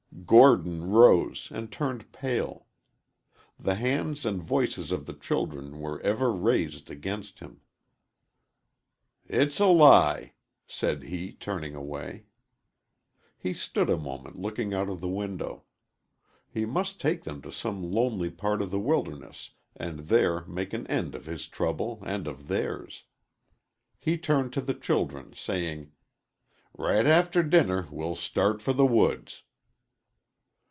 Gordon rose and turned pale. The hands and voices of the children were ever raised against him. "It's a lie!" said he, turning away. He stood a moment looking out of the window. He must take them to some lonely part of the wilderness and there make an end of his trouble and of theirs. He turned to the children, saying, "Right after dinner we'll start for the woods."